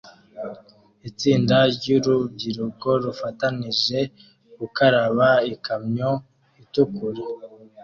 Itsinda ryurubyiruko rufatanije gukaraba ikamyo itukura